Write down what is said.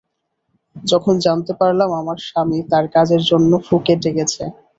যখন জানতে পারলাম, আমার স্বামী তাঁর কাজের জন্য ফুকেটে আটকে গেছে।